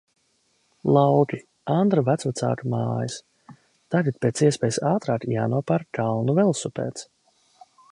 Lauki, Andra vecvecāku mājas. Tagad pēc iespējas ātrāk jānopērk kalnu velosipēds.